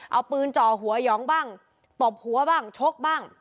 เอาปืนจ่อหัวหยองบ้างตบหัวบ้างชกบ้าง